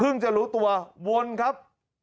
เพิ่งจะรู้ตัววนครับ